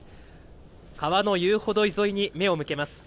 川の遊歩道沿いに目を向けます。